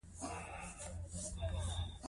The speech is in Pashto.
که ماري کوري وسایل پاک نه کړي، پایله به غلطه شي.